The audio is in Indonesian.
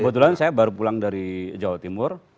kebetulan saya baru pulang dari jawa timur